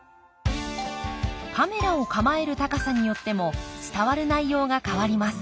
カメラを構える高さによっても伝わる内容が変わります。